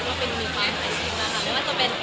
มันเป็นมีความใหม่จริงแล้วว่าจะเป็น